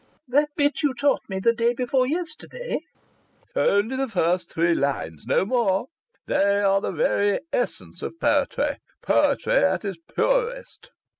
"That bit you taught me the day before yesterday?" "Only the three lines! No more! They are the very essence of poetry poetry at its purest.